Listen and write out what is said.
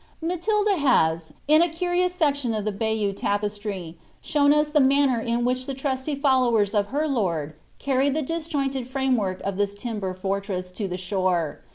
Matilda hofi, in a curious section of the Bayeux tapestry, shotn the manner in which the inieiy followers of her loin carried the,^ . joJjQled ^me work of tliis timber fortress to the shore.